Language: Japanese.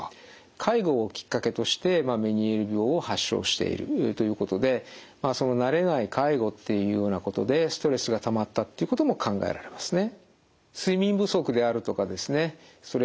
介護をきっかけとしてメニエール病を発症しているということでその慣れない介護っていうようなことでストレスがたまったということも考えられますね。